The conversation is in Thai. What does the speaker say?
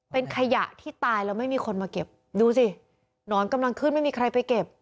เป็นขยะที่ตายแล้วไม่มีคนมาเก็บดูสิหนอนกำลังขึ้นไม่มีใครไปเก็บ